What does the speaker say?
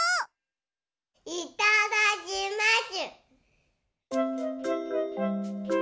いただきます。